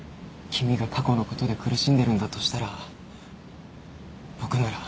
君が過去のことで苦しんでるんだとしたら僕なら。